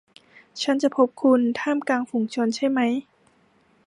ฉันจะพบคุณท่ามกลางฝูงชนใช่มั้ย